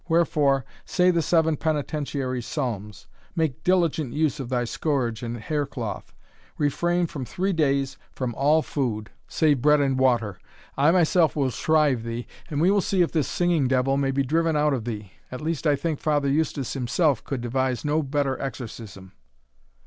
Wherefore, say the seven penitentiary psalms make diligent use of thy scourge and hair cloth refrain for three days from all food, save bread and water I myself will shrive thee, and we will see if this singing devil may be driven out of thee; at least I think Father Eustace himself could devise no better exorcism."